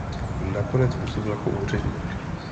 Nakonec působil jako úředník.